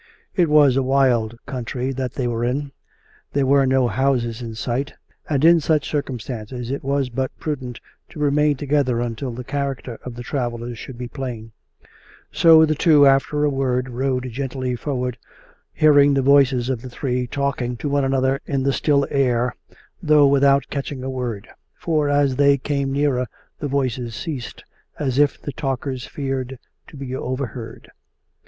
It was a wild country that they were in; there were no houses in s'ight; and in such circumstances it was but prudent to remain together until the character of the travellers should be plain; so the two, after a word, rode gently forward, hearing the voices of the three talking to one another, in the still air, though without catching a word. For, as they came nearer the voices ceased, as if the talkers feared to be overheard.